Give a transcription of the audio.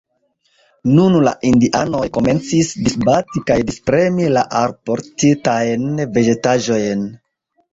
Nun la indianoj komencis disbati kaj dispremi la alportitajn vegetaĵojn.